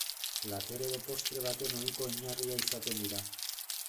Plater edo postre baten ohiko oinarria izaten dira.